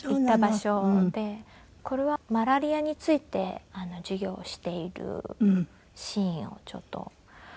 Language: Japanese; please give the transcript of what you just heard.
これはマラリアについて授業をしているシーンをちょっと。